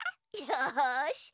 よし。